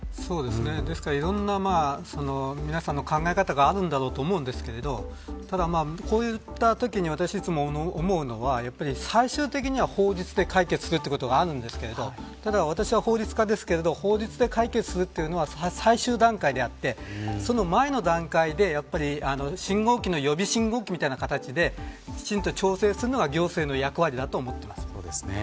いろんな皆さんの考え方があるんだろうと思うんですがただ、こういったときに私がいつも思うのが最終的には法律で解決するということがあるんですがただ、私は法律家ですが法律で解決するというのは最終段階であってその前の段階で信号機の予備信号機みたいな形できちんと調整するのが行政の役割だと思っています。